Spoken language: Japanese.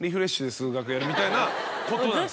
やるみたいなことなんですか？